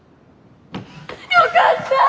よかった。